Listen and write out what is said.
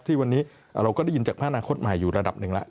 ที่วันนี้เราก็ได้ยินจากภาคอนาคตใหม่อยู่ระดับหนึ่งแล้ว